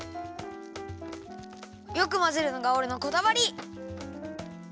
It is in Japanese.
よくまぜるのがおれのこだわり！